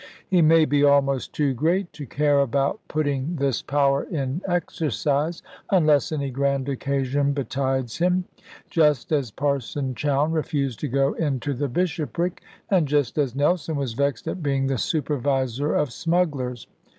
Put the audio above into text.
He may be almost too great to care about putting this power in exercise, unless any grand occasion betides him; just as Parson Chowne refused to go into the bishopric; and just as Nelson was vexed at being the supervisor of smugglers.